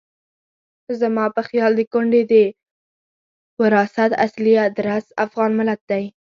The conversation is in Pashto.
زما په خیال د کونډې د وراثت اصلي ادرس افغان ملت دی.